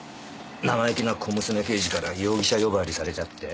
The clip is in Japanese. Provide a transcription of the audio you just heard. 生意気な小娘刑事から容疑者呼ばわりされちゃって。